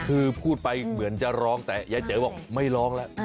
คือพูดไปเหมือนจะร้องแต่ยายเจ๋บอกไม่ร้องแล้ว